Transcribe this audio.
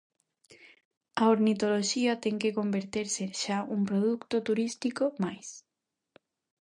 A ornitoloxía ten que converterse xa nun produto turístico máis.